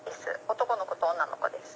男の子と女の子です。